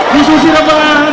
bu susi rebahan